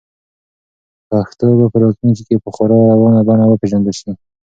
پښتو به په راتلونکي کې په خورا روانه بڼه وپیژندل شي.